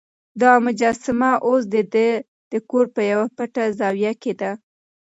دا مجسمه اوس د ده د کور په یوه پټه زاویه کې ده.